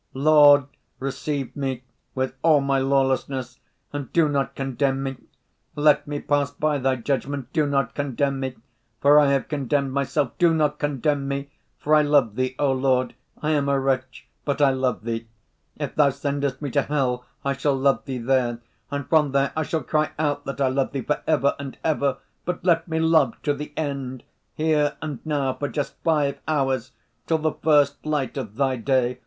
"Lord, receive me, with all my lawlessness, and do not condemn me. Let me pass by Thy judgment ... do not condemn me, for I have condemned myself, do not condemn me, for I love Thee, O Lord. I am a wretch, but I love Thee. If Thou sendest me to hell, I shall love Thee there, and from there I shall cry out that I love Thee for ever and ever.... But let me love to the end.... Here and now for just five hours ... till the first light of Thy day